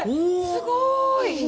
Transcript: すごい！